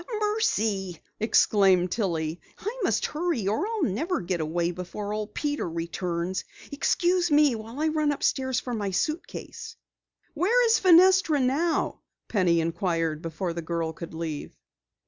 "Mercy!" exclaimed Tillie, "I must hurry or I'll never get away before Old Peter returns. Excuse me while I run upstairs for my suitcase." "Where is Fenestra now?" Penny inquired before the girl could leave.